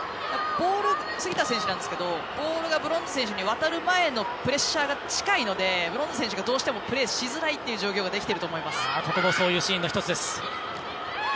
ボール杉田選手なんですがボールがブロンズ選手に渡る前のプレッシャーが近いので、ブロンズ選手がどうしてもプレーしづらい状況ができていると思います。